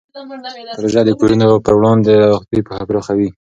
پروژه د کورونا وبا پر رواني روغتیا پوهه پراخه کړې.